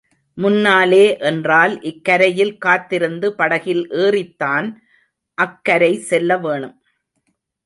முன்னாலே என்றால் இக்கரையில் காத்திருந்து படகில் ஏறித்தான் அக்கரை செல்ல வேணும்.